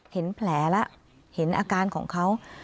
เห็นแผลแล้วเห็นอาการของเขา